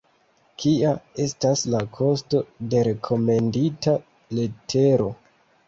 Kia estas la kosto de rekomendita letero?